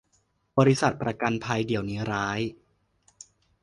บริษัทประกันเดี๋ยวนี้ร้าย